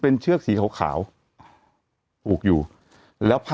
แต่หนูจะเอากับน้องเขามาแต่ว่า